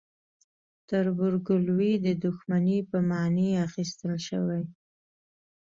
تربورګلوي د دښمنۍ په معنی اخیستل شوی.